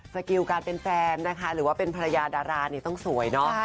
สกิลการเป็นแฟนนะคะหรือว่าเป็นภรรยาดารานี่ต้องสวยเนาะ